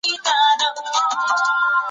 ایا فکري بډاینه مادي ژوند ښه کوي؟